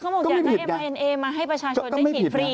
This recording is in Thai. คือเขาบอกอยากให้มีมีนเอมาให้ประชาชนได้ผิดฟรี